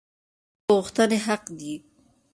د خلکو غوښتنې حق دي